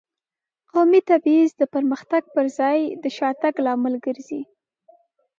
قومي تبعیض د پرمختګ په ځای د شاتګ لامل ګرځي.